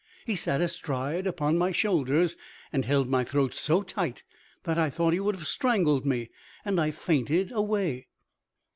He sat astride upon my shoulders, and held my throat so tight that I thought he would have strangled me, and I fainted away.